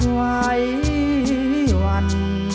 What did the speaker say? ไว้วัน